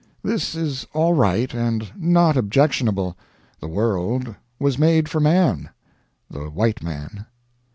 This is all right, and not objectionable. The world was made for man the white man.